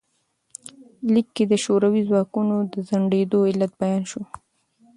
لیک کې د شوروي ځواکونو د ځنډیدو علت بیان شوی.